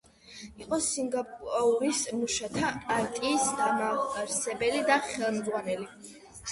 იყო სინგაპურის მუშათა პარტიის დამაარსებელი და ხელმძღვანელი.